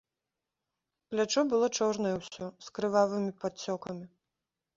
Плячо было чорнае ўсё, з крывавымі падцёкамі.